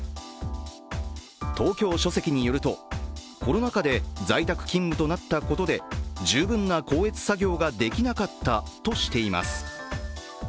東京書籍によると、コロナ禍で在宅勤務となったことで十分な校閲作業ができなかったとしています。